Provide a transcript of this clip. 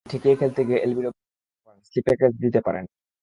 আপনি ঠেকিয়ে খেলতে গিয়ে এলবিডব্লু হতে পারেন, স্লিপে ক্যাচ দিতে পারেন।